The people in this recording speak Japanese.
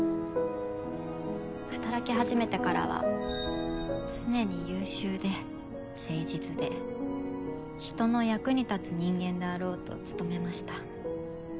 働きはじめてからは常に優秀で誠実で人の役に立つ人間であろうと努めました。